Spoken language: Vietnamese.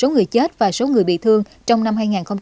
người chết và số người bị thương trong năm hai nghìn một mươi sáu